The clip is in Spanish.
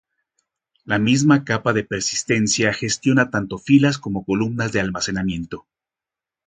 La misma capa de persistencia gestiona tanto filas como columnas de almacenamiento.